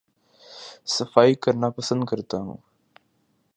صفائی کرنا پسند کرتا ہوں